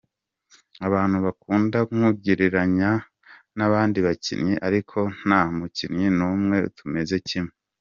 Abantu bakunda nkungereranya n’abandi bakinnyi ariko nta mukinnyi n’umwe tumeze kimwe.